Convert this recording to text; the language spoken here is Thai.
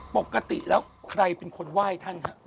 ปกติแล้วใครเป็นคนไหว้ท่านครับ